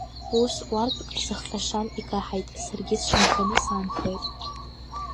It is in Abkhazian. Ус ҟәардәк сахҟьашан икаҳаит, саргьы сшанханы саанхеит…